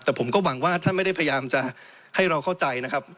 แต่ผมก็หวังว่าท่านไม่ได้พยายามจะให้เราเข้าใจนะครับ